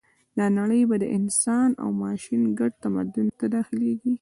دا نړۍ به د انسان او ماشین ګډ تمدن ته داخلېږي